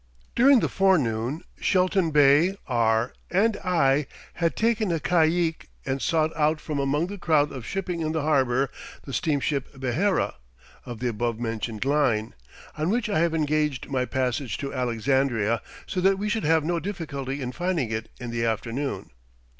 During the forenoon, Shelton Bey, R , and I had taken a caique and sought out from among the crowd of shipping in the harbor the steamship Behera, of the above mentioned line, on which I have engaged my passage to Alexandria, so that we should have no difficulty in finding it in the afternoon.